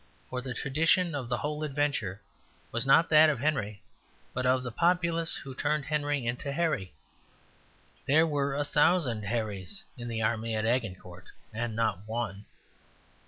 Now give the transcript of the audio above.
For the tradition of the whole adventure was not that of Henry, but of the populace who turned Henry into Harry. There were a thousand Harries in the army at Agincourt, and not one.